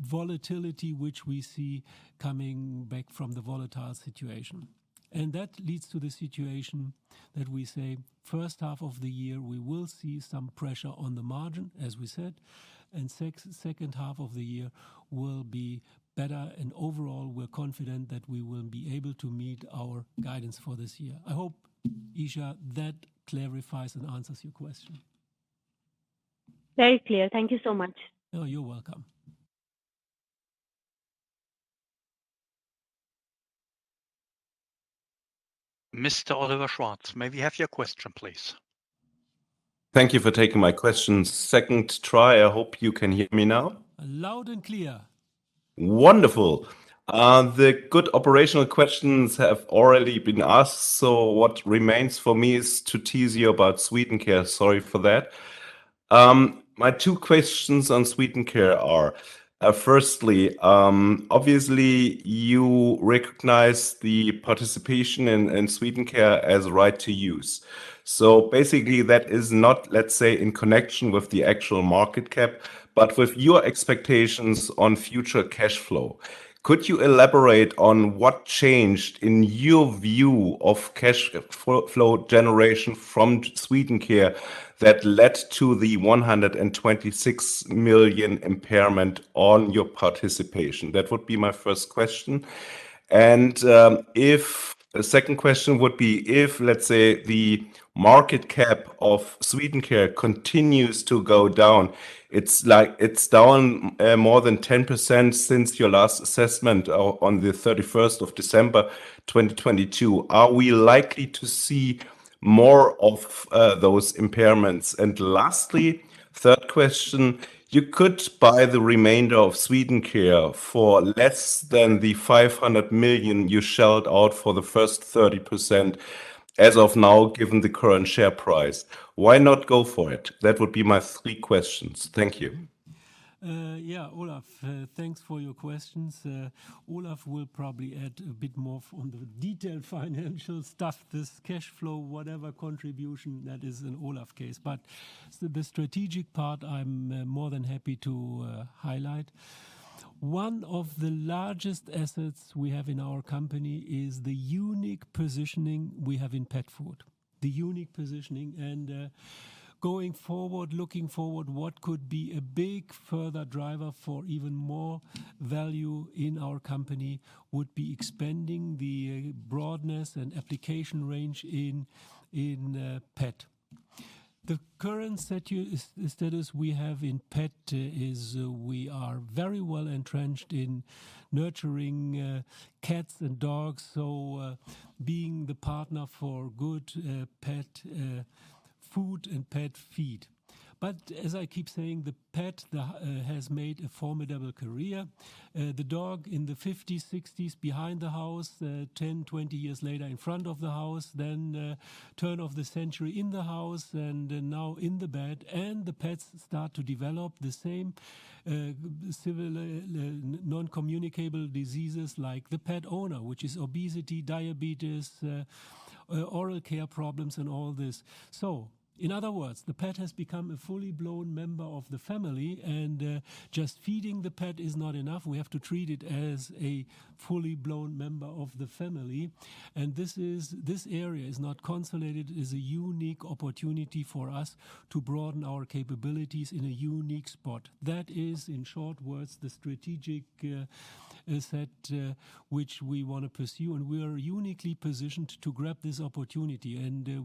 C: volatility which we see coming back from the volatile situation. That leads to the situation that we say first half of the year we will see some pressure on the margin, as we said. Second half of the year will be better and overall, we're confident that we will be able to meet our guidance for this year. I hope, Isha, that clarifies and answers your question.
K: Very clear. Thank you so much.
C: Oh, you're welcome.
A: Mr. Oliver Schwarz, may we have your question, please?
L: Thank you for taking my question. Second try. I hope you can hear me now.
C: Loud and clear.
L: Wonderful. The good operational questions have already been asked, what remains for me is to tease you about Swedencare. Sorry for that. My two questions on Swedencare are, firstly, obviously you recognize the participation in Swedencare as right to use. Basically that is not, let's say, in connection with the actual market cap, but with your expectations on future cash flow. Could you elaborate on what changed in your view of cash flow generation from Swedencare that led to the 126 million impairment on your participation? That would be my first question. The second question would be, if, let's say, the market cap of Swedencare continues to go down, it's like it's down more than 10% since your last assessment on December 31, 2022. Are we likely to see more of those impairments? Lastly, third question, you could buy the remainder of Swedencare for less than the 500 million you shelled out for the first 30% as of now, given the current share price. Why not go for it? That would be my three questions. Thank you.
C: Yeah, Olaf, thanks for your questions. Olaf will probably add a bit more on the detailed financial stuff, this cash flow, whatever contribution that is an Olaf case. The strategic part I'm more than happy to highlight. One of the largest assets we have in our company is the unique positioning we have in pet food. The unique positioning going forward, looking forward, what could be a big further driver for even more value in our company would be expanding the broadness and application range in pet. The current status we have in pet is we are very well-entrenched in nurturing cats and dogs, being the partner for good pet food and pet feed. As I keep saying, the pet has made a formidable career. The dog in the '50s, '60s, behind the house, 10, 20 years later in front of the house, then, turn of the century in the house and then now in the bed. The pets start to develop the same, similar, non-communicable diseases like the pet owner, which is obesity, diabetes, oral care problems and all this. In other words, the pet has become a fully blown member of the family, and just feeding the pet is not enough. We have to treat it as a fully blown member of the family. This area is not consolidated, is a unique opportunity for us to broaden our capabilities in a unique spot. That is, in short words, the strategic, asset, which we wanna pursue, and we are uniquely positioned to grab this opportunity.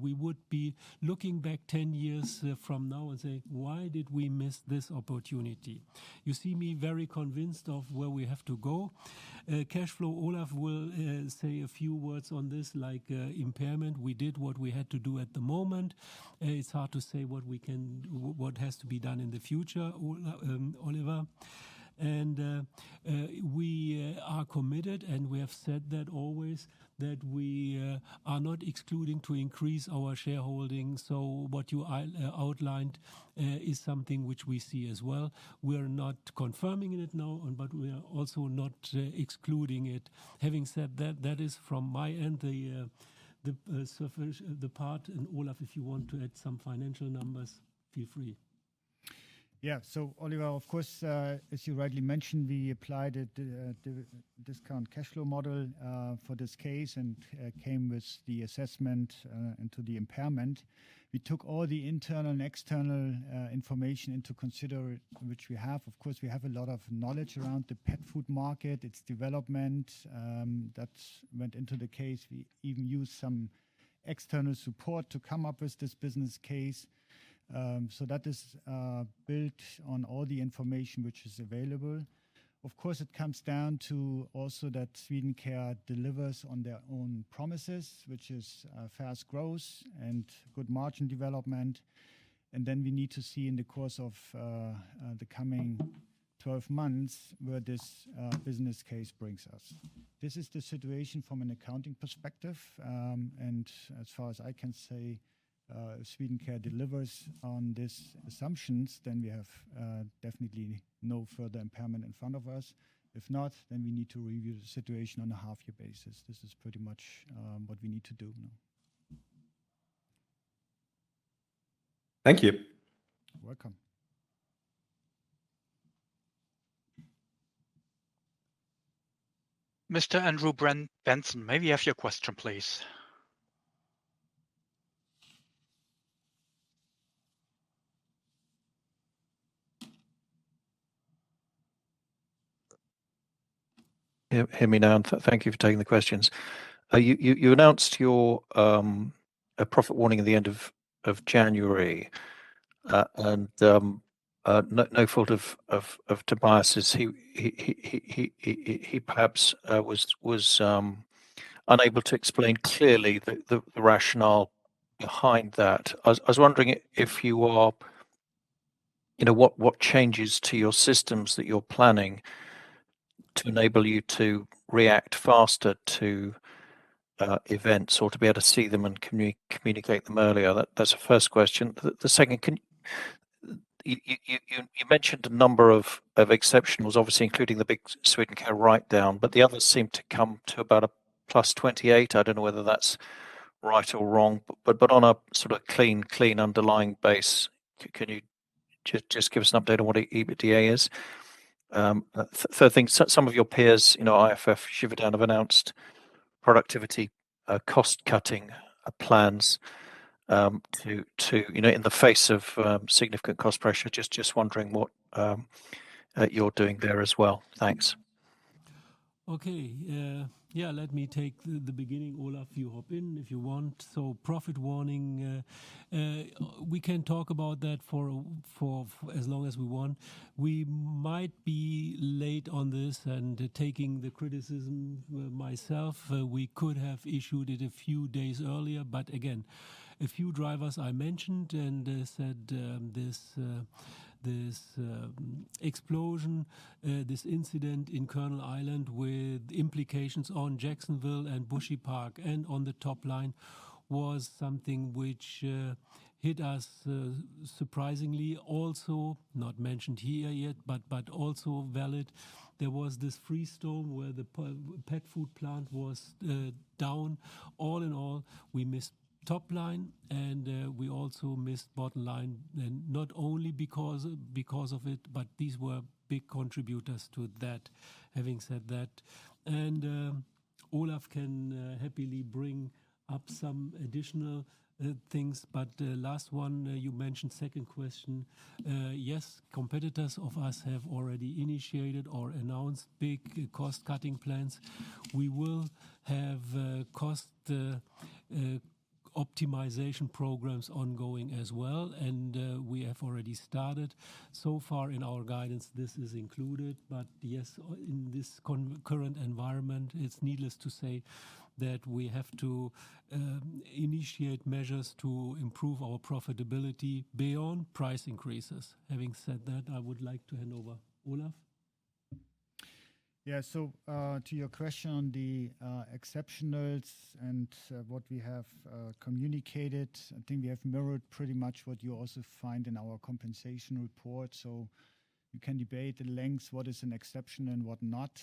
C: We would be looking back 10 years from now and say, "Why did we miss this opportunity?" You see me very convinced of where we have to go. Cashflow, Olaf will say a few words on this, like impairment. We did what we had to do at the moment. It's hard to say what has to be done in the future, Ola, Oliver. We are committed, and we have said that always that we are not excluding to increase our shareholding. What you outlined is something which we see as well. We're not confirming it now but we are also not excluding it. Having said that is from my end, the part. Olaf, if you want to add some financial numbers, feel free.
G: Yeah. Oliver, of course, as you rightly mentioned, we applied a discounted cash flow model for this case and came with the assessment and to the impairment. We took all the internal and external information into consider which we have. Of course, we have a lot of knowledge around the pet food market, its development, that went into the case. We even used some external support to come up with this business case. That is built on all the information which is available. Of course, it comes down to also that Swedencare delivers on their own promises, which is fast growth and good margin development. We need to see in the course of the coming 12 months where this business case brings us. This is the situation from an accounting perspective. As far as I can say, if Swedencare delivers on these assumptions, then we have definitely no further impairment in front of us. If not, then we need to review the situation on a half-year basis. This is pretty much what we need to do now.
B: Thank you.
G: You're welcome.
A: Mr. Andrew Benson, may we have your question, please?
M: Yeah. Hear me now. Thank you for taking the questions. You announced your a profit warning at the end of January. No fault of Tobias, as he perhaps was unable to explain clearly the rationale behind that. I was wondering if you are, you know, what changes to your systems that you're planning to enable you to react faster to events or to be able to see them and communicate them earlier? That's the first question. The second, You mentioned a number of exceptionals, obviously including the big Swedencare write down, but the others seem to come to about a +28. I don't know whether that's right or wrong, but on a sort of clean underlying base, can you just give us an update on what EBITDA is? Third thing, some of your peers, you know, IFF, Chopard have announced productivity cost-cutting plans, to, you know, in the face of significant cost pressure. Just wondering what you're doing there as well. Thanks.
C: Okay. Yeah, let me take the beginning. Olaf, you hop in if you want. Profit warning, we can talk about that for as long as we want. We might be late on this and taking the criticism myself. We could have issued it a few days earlier, but again, a few drivers I mentioned and said, this explosion, this incident in Colonels Island with implications on Jacksonville and Bushy Park and on the top line was something which hit us surprisingly. Also, not mentioned here yet, but also valid, there was this freeze storm where the pet food plant was down. All in all, we missed top line and we also missed bottom line. Not only because of it, but these were big contributors to that. Having said that, Olaf can happily bring up some additional things. Last one, you mentioned second question. Yes, competitors of us have already initiated or announced big cost-cutting plans. We will have cost optimization programs ongoing as well. We have already started. In our guidance, this is included, but yes, in this concurrent environment, it's needless to say that we have to initiate measures to improve our profitability beyond price increases. Having said that, I would like to hand over Olaf.
G: To your question on the exceptionals and what we have communicated, I think we have mirrored pretty much what you also find in our compensation report, so you can debate at length what is an exceptional and what not.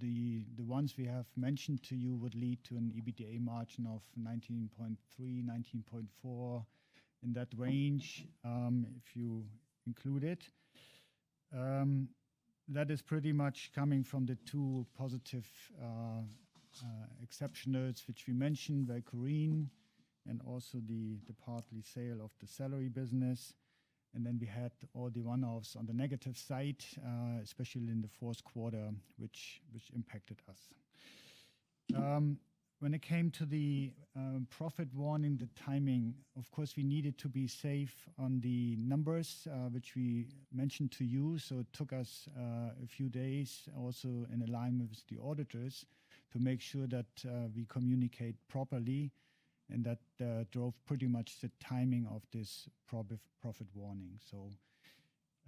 G: The ones we have mentioned to you would lead to an EBITDA margin of 19.3, 19.4, in that range, if you include it. That is pretty much coming from the two positive exceptionals, which we mentioned, Velcorin and also the partly sale of the color business. Then we had all the one-offs on the negative side, especially in the fourth quarter, which impacted us. When it came to the profit warning, the timing, of course, we needed to be safe on the numbers, which we mentioned to you. It took us a few days also in alignment with the auditors to make sure that we communicate properly, and that drove pretty much the timing of this profit warning.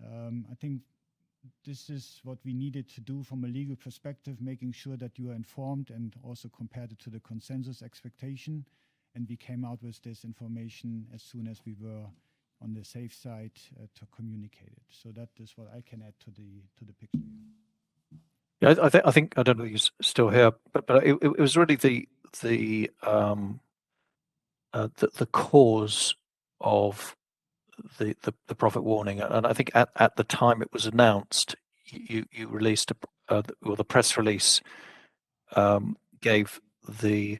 G: I think this is what we needed to do from a legal perspective, making sure that you are informed and also compared it to the consensus expectation, and we came out with this information as soon as we were on the safe side to communicate it. That is what I can add to the picture.
M: Yeah. I think I don't know if you're still here, but it was really the cause of the profit warning. I think at the time it was announced, you released a or the press release gave the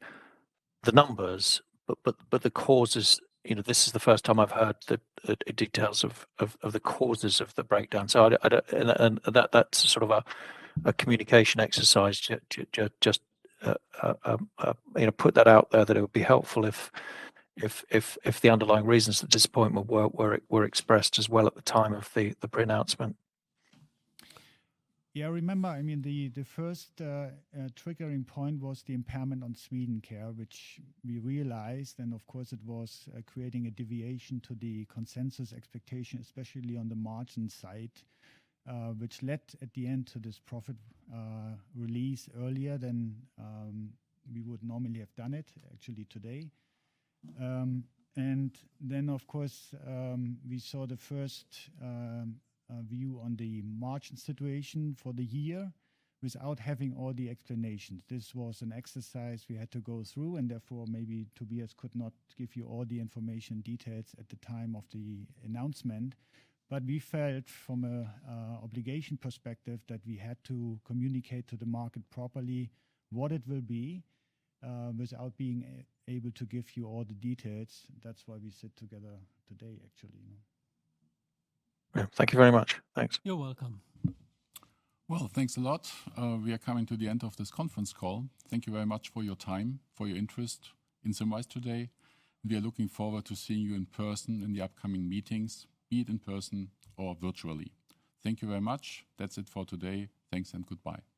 M: numbers, but the causes, you know, this is the first time I've heard the details of the causes of the breakdown. I don't. That's sort of a communication exercise to just, you know, put that out there that it would be helpful if the underlying reasons for the disappointment were expressed as well at the time of the announcement.
G: Yeah. Remember, I mean, the first triggering point was the impairment on Swedencare, which we realized, and of course it was creating a deviation to the consensus expectation, especially on the margin side, which led at the end to this profit release earlier than we would normally have done it, actually today. Then of course, we saw the first view on the margin situation for the year without having all the explanations. This was an exercise we had to go through, and therefore maybe Tobias could not give you all the information details at the time of the announcement. We felt from a obligation perspective that we had to communicate to the market properly what it will be, without being able to give you all the details. That's why we sit together today actually, you know?
M: Yeah. Thank you very much. Thanks.
G: You're welcome.
B: Thanks a lot. We are coming to the end of this conference call. Thank you very much for your time, for your interest in Symrise today. We are looking forward to seeing you in person in the upcoming meetings, be it in person or virtually. Thank you very much. That's it for today. Thanks and goodbye.